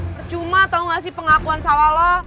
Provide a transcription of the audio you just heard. bercuma tau gak sih pengakuan salah lo